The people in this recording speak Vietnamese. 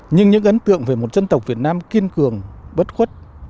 nhưng những ấn tượng về một dân tộc việt nam kiên cường bất khuất